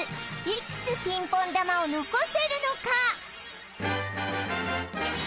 いくつピンポン球を残せるのか？